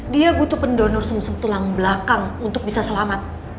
dia butuh pendonor sum sum tulang belakang untuk bisa selamat